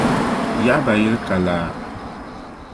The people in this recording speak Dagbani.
Yaɣiba yili ka laa.